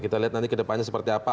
kita lihat nanti kedepannya seperti apa